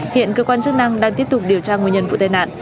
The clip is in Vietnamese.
hiện cơ quan chức năng đang tiếp tục điều tra nguyên nhân vụ tai nạn